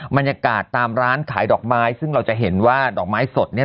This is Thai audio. บรรยากาศตามร้านขายดอกไม้ซึ่งเราจะเห็นว่าดอกไม้สดเนี่ย